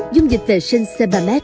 dung dịch vệ sinh c ba meth